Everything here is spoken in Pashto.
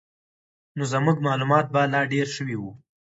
نو زموږ معلومات به لا ډېر شوي وو.